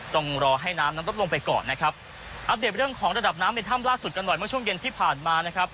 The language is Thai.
ต้องรอให้น้ำนั้นลดลงไปก่อนนะครับอัปเดตเรื่องของระดับน้ำในถ้ำล่าสุดกันหน่อยเมื่อช่วงเย็นที่ผ่านมานะครับ